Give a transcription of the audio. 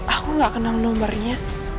aku gak kenal nomernya